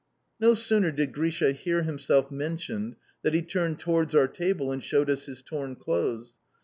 No sooner did Grisha hear himself mentioned that he turned towards our table and showed us his torn clothes.